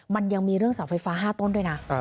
มันยังมีเรื่องเสาไฟฟ้า๕ต้นด้วยนะ